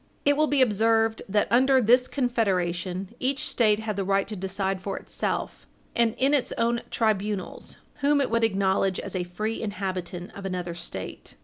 It will be observed that, under this Confederation, each State had the right to decide for itself, and in its own tribunals, whom it would acknowledge as a free inhabitant of another State.